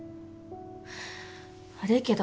悪いけど。